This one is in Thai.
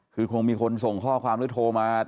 คือคงมีคนส่งข้อความหรือโทรมา